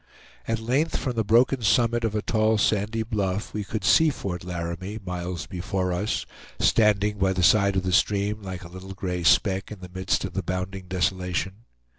At length, from the broken summit of a tall sandy bluff we could see Fort Laramie, miles before us, standing by the side of the stream like a little gray speck in the midst of the bounding desolation.